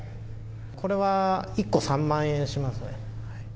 これは１個３万円しますね。